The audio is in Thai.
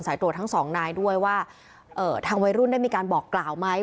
ตรวจทั้งสองนายด้วยว่าเอ่อทางวัยรุ่นได้มีการบอกกล่าวไหม